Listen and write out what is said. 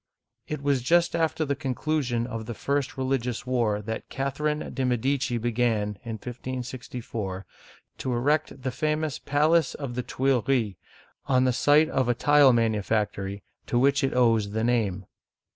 It was just after the conclusion of the first religious war that Catherine de* Medici began (1564) to erect the famous palace of the Tuileries (tweel ree') on the site of a tile manu factory to which it owes the name.